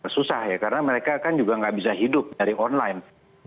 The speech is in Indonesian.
susah ya karena mereka kan juga nggak bisa hidup dari online